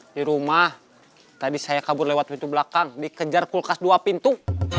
di rumah tadi saya kabur lewat pintu belakang dikejar kulkas dua pintu